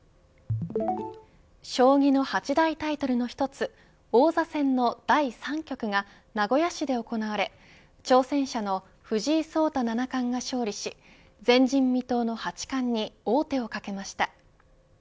将棋の八大タイトルの一つ王座戦の第３局が名古屋市で行われ挑戦者の藤井聡太七冠が勝利し前人未到の八冠に王手をかけました。